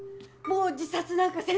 もう自殺なんかせんて。